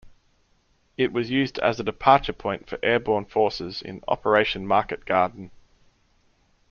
It was used as a departure point for airborne forces in Operation Market Garden.